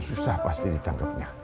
susah pasti ditangkapnya